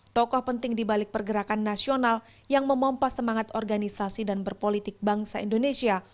tokoh penting dibalik pergerakan nasional yang memompas semangat organisasi dan berpolitik bangsa indonesia